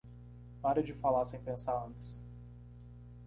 Pare de falar sem pensar antes.